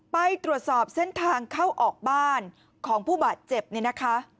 ไปตรวจสอบเส้นทางเข้าออกบ้านของผู้บาดเจ็บเนี่ยนะคะ